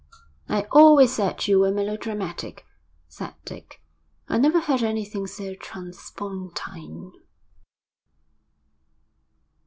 'I always said you were melodramatic,' said Dick. 'I never heard anything so transpontine.'